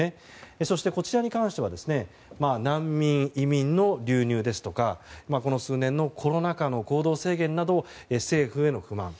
そして、連続する危機に関しては難民・移民の流入ですとかこの数年のコロナ禍の行動制限など政府への不満。